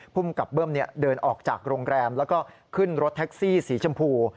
ภูมิกับเบิ้มเดินออกจากโรงแรมแล้วก็ขึ้นรถแท็กซี่สีชมพู